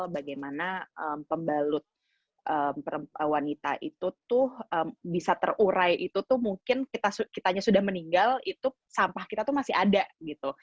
bagaimana pembalut wanita itu tuh bisa terurai itu tuh mungkin kitanya sudah meninggal itu sampah kita tuh masih ada gitu